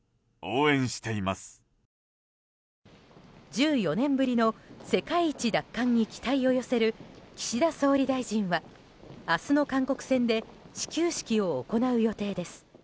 １４年ぶりの世界一奪還に期待を寄せる岸田総理大臣は明日の韓国戦で始球式を行う予定です。